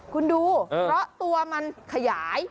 คุณดูเพราะตัวมันขยาย